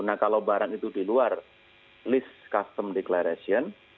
nah kalau barang itu di luar list custom declaration